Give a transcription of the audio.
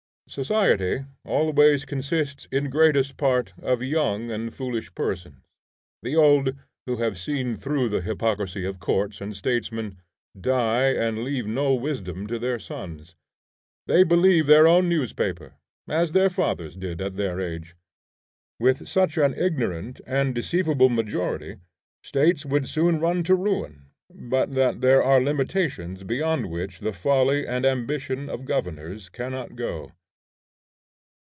Society always consists in greatest part of young and foolish persons. The old, who have seen through the hypocrisy of courts and statesmen, die and leave no wisdom to their sons. They believe their own newspaper, as their fathers did at their age. With such an ignorant and deceivable majority, States would soon run to ruin, but that there are limitations beyond which the folly and ambition of governors cannot go.